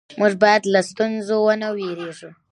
موږ باید له ستونزو ونه وېرېږو